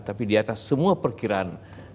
tapi di atas semua perkiraan